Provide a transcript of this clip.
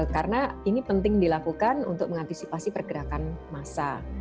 karena ini penting dilakukan untuk mengantisipasi pergerakan masa